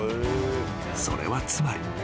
［それはつまり］